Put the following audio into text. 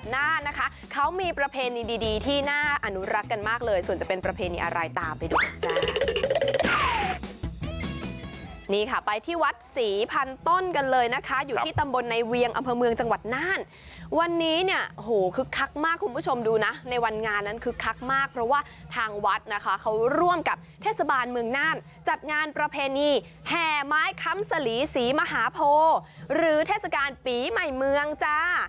ในวันงานนั้นคึกคักมากเพราะว่าทางวัดนะคะเขาร่วมกับเทศบาลเมืองน่านจัดงานประเพณีแห่ไม้ค้ำสลีศรีมหาโพหรือเทศกาลปีใหม่เมืองจ้า